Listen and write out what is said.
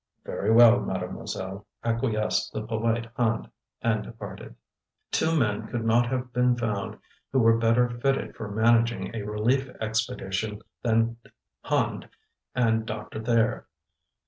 "Very well, Mademoiselle," acquiesced the polite Hand, and departed. Two men could not have been found who were better fitted for managing a relief expedition than Hand and Doctor Thayer.